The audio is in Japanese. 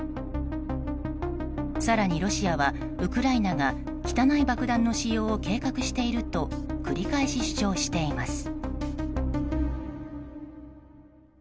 更にロシアはウクライナが汚い爆弾の使用を計画していると繰り返し主張しています。